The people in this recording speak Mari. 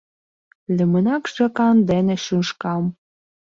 Лӱмынак жакан дене шӱшкам.